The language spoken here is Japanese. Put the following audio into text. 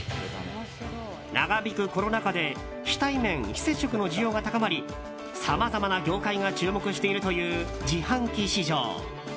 長引くコロナ禍で非対面・非接触の需要が高まりさまざまな業界が注目しているという自販機市場。